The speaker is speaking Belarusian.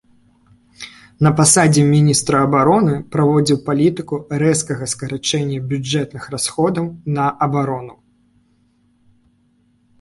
На пасадзе міністра абароны праводзіў палітыку рэзкага скарачэння бюджэтных расходаў на абарону.